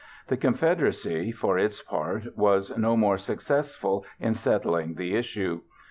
The Confederacy, for its part, was no more successful in settling the issue.